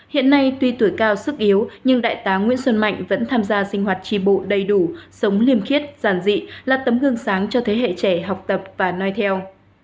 hiện nay tuy tuổi cao sức yếu nhưng đại tá nguyễn xuân mạnh vẫn tham gia sinh hoạt tri bộ đầy đủ sống liêm khiết giản dị là tấm gương sáng cho thế hệ trẻ học tập và nói theo